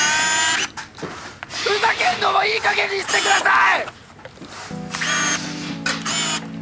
ふざけんのもいい加減にしてください！